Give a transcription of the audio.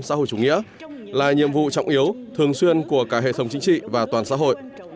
xã hội chủ nghĩa là nhiệm vụ trọng yếu thường xuyên của cả hệ thống chính trị và toàn xã hội